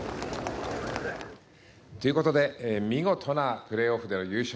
ということで見事なプレーオフでの優勝。